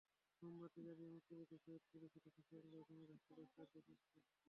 মোমবাতি জ্বালিয়ে মুক্তিযুদ্ধে শহীদ পুলিশ সদস্যদের স্মরণ করেছে বাংলাদেশ পুলিশ সার্ভিস অ্যাসোসিয়েশন।